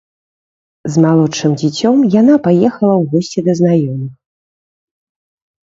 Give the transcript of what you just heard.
З малодшым дзіцём яна паехала ў госці да знаёмых.